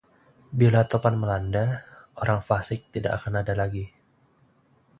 Bila topan melanda, orang fasik tidak akan ada lagi